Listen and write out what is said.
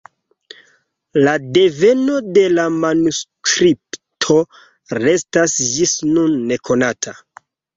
La deveno de la manuskripto restas ĝis nun nekonata.